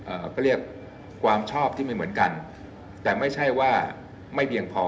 ก็เรียกความชอบที่ไม่เหมือนกันแต่ไม่ใช่ว่าไม่เพียงพอ